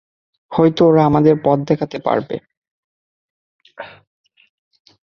হয়তো ওরা আমাদের পথ দেখাতে পারবে।